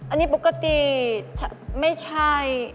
อันนี้ปกติไม่ใช่